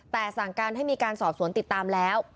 แต่สั่งการให้มีการสอบสวนติดตามแล้ว